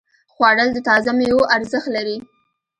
خوړل د تازه ميوو ارزښت لري